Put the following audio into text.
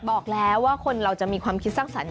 บอกแล้วว่าคนเราจะมีความคิดสร้างสรรค